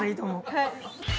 はい。